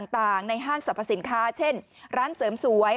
ต่างในห้างสรรพสินค้าเช่นร้านเสริมสวย